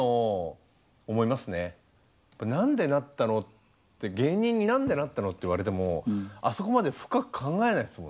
「何でなったの？」って「芸人に何でなったの？」って言われてもあそこまで深く考えないですもんね。